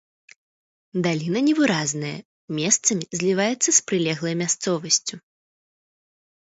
Даліна невыразная, месцамі зліваецца з прылеглай мясцовасцю.